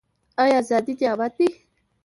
آیا ازادي نعمت دی؟